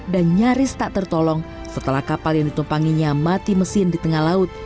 dan nyaris tak tertolong setelah kapal yang ditumpanginya mati mesin di tengah laut